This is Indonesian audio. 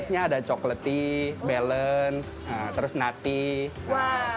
tesnya ada coklat balance terus nati sedikit herbs